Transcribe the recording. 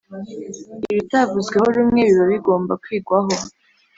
Ibitavuzweho rumwe biba bigomba kwigwaho